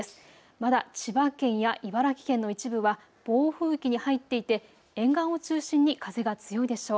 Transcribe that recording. まだ千葉県や茨城県の一部は暴風域に入っていて沿岸を中心に風が強いでしょう。